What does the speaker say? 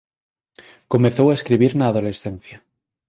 Comezou a escribir na adolescencia.